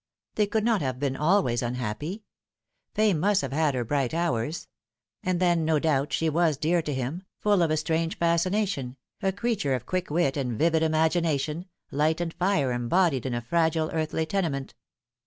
They could not have been always unhappy. Fay must have had her bright hours ; and then, no doubt, she was dear to him, full of a strange fascination, a Looking Back. 239 creature of quick wit and vivid imagination, light and fire embodied in a fragile earthly tenement.